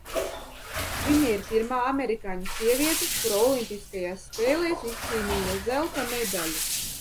Viņa ir pirmā amerikāņu sieviete, kura olimpiskajās spēlēs izcīnīja zelta medaļu.